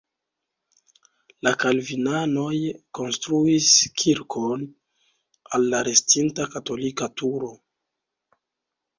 La kalvinanoj konstruis kirkon al la restinta katolika turo.